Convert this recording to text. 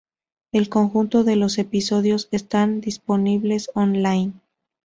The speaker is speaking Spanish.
El conjunto de los episodios están disponibles on-line.